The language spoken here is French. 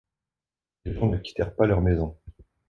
Les gens ne quittèrent pas leur maison.